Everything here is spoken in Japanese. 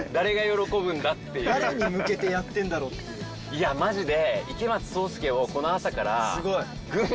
いやマジで。